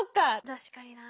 確かにな。